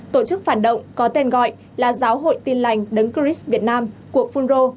tổ chức phản động có tên gọi là giáo hội tin lành đấng chris việt nam của phú rô